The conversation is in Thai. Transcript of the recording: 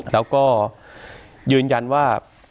แล้วก็ยืนยันว่า